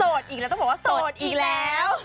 อีกแล้วต้องบอกว่าโสดอีกแล้ว